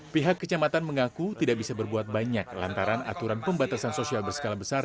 pihak kecamatan mengaku tidak bisa berbuat banyak lantaran aturan pembatasan sosial berskala besar